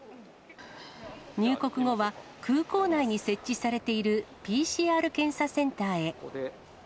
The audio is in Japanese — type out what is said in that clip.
入国後は、空港内に設置されているＰＣＲ検査センターへ。